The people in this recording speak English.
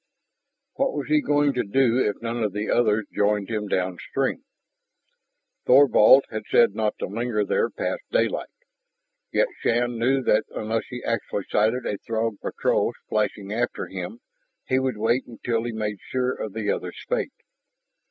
What was he going to do if none of the others joined him downstream? Thorvald had said not to linger there past daylight. Yet Shann knew that unless he actually sighted a Throg patrol splashing after him he would wait until he made sure of the others' fate.